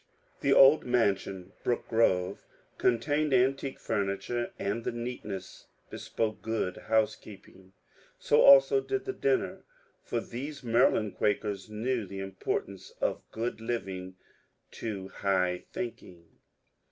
The old mansion, ^^ Brooke Grroye," contained an tique furniture, and the neatness bespoke good housekeeping. So also did the dinner, for these Maryland Quakers knew the importance of good living to high thinking.